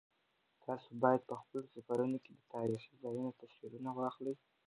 تاسو باید په خپلو سفرونو کې د تاریخي ځایونو تصویرونه واخلئ.